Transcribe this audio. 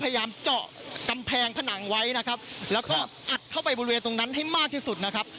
พยายามเจาะกำแพงผนังไว้นะครับแล้วก็อัดเข้าไปบริเวณตรงนั้นให้มากที่สุดนะครับ